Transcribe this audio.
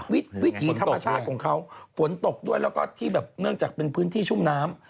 วิถีธรรมชาติของเขาฝนตกด้วยแล้วก็ที่แบบเนื่องจากเป็นพื้นที่ชุ่มน้ำ